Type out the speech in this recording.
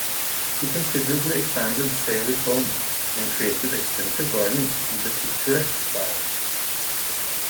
He considerably expanded Sayre's home and created extensive gardens in the picturesque style.